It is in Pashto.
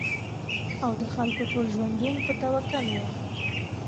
او د خلکو ټول ژوندون په توکل وو